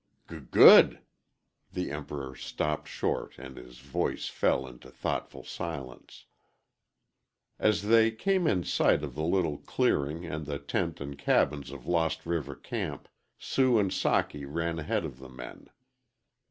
"G good " The Emperor stopped short and his voice fell into thoughtful silence. As they came in sight of the little clearing and the tent and cabins of Lost River camp, Sue and Socky ran ahead of the men.